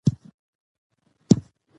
په هر حال کې د خدای شکر ادا کړئ.